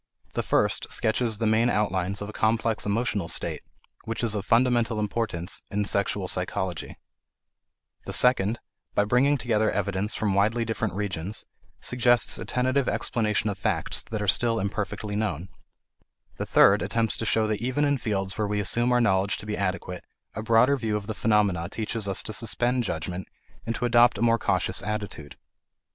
The first sketches the main outlines of a complex emotional state which is of fundamental importance in sexual psychology; the second, by bringing together evidence from widely different regions, suggests a tentative explanation of facts that are still imperfectly known; the third attempts to show that even in fields where we assume our knowledge to be adequate a broader view of the phenomena teaches us to suspend judgment and to adopt a more cautious attitude.